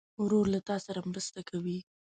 ورور له تا سره مرسته کوي.